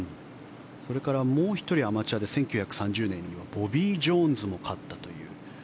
それから、もう１人アマチュアで１９３０年にボビー・ジョーンズも勝ったという。